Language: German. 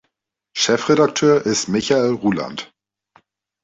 Chefredakteur ist Michael Ruhland.